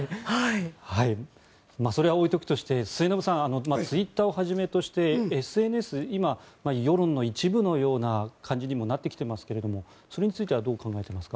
それは置いておくとして末延さんツイッターをはじめとしてＳＮＳ、今世論の一部のような感じにもなってきていますがそれについてはどう考えてますか。